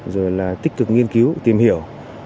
rồi là tích cực nghiên cứu tìm hiểu